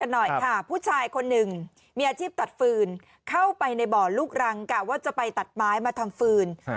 หน่อยค่ะผู้ชายคนหนึ่งมีอาชีพตัดฟืนเข้าไปในบ่อลูกรังกะว่าจะไปตัดไม้มาทำฟืน